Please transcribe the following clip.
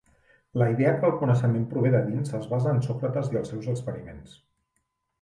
La idea que el coneixement prové de dins es basa en Sòcrates i els seus experiments.